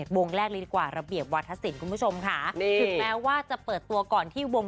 วงแรกเลยดีกว่าระเบียบวาธศิลป์คุณผู้ชมค่ะถึงแม้ว่าจะเปิดตัวก่อนที่วง